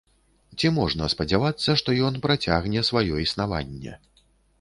Ці можна спадзявацца, што ён працягне сваё існаванне?